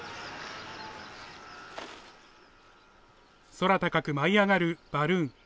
空高く舞い上がるバルーン。